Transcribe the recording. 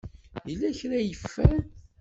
Yella kra ay yeffer?